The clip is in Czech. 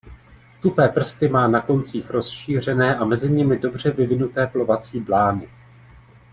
Tupé prsty má na koncích rozšířené a mezi nimi dobře vyvinuté plovací blány.